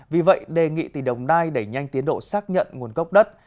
vì vậy đề nghị tỷ đồng đai đẩy nhanh tiến độ xác nhận nguồn cốc đất